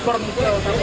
apakah ini terakhir